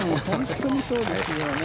本当にそうですよね。